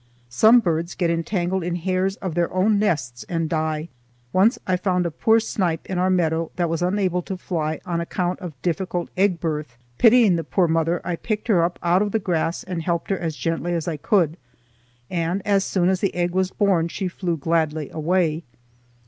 Some birds get entangled in hairs of their own nests and die. Once I found a poor snipe in our meadow that was unable to fly on account of difficult egg birth. Pitying the poor mother, I picked her up out of the grass and helped her as gently as I could, and as soon as the egg was born she flew gladly away.